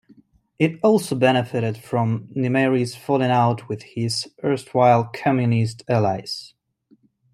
It also benefited from Nimeiry's falling out with his erstwhile Communist allies.